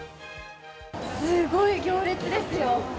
すごい行列ですよ。